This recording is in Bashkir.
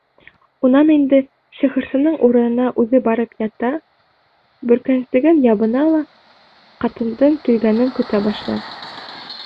Унан инде сихырсының урынына үҙе барып ята, бөркәнсеген ябына ла ҡатындың килгәнен көтә башлай.